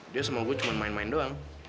dia sama gue cuma main main doang